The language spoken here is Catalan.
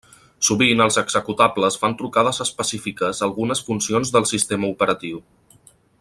Sovint els executables fan trucades específiques a algunes funcions del sistema operatiu.